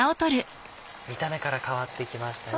見た目から変わってきましたね。